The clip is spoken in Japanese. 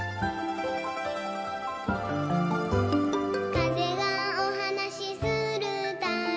「かぜがおはなしするたび」